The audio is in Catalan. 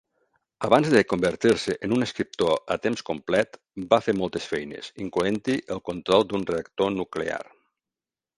Abans de convertir-se en un escriptor a temps complet, va fer moltes feines, incloent-hi el control d'un reactor nuclear.